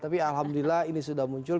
tapi alhamdulillah ini sudah muncul